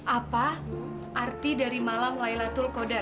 apa arti dari malang laylatul qadar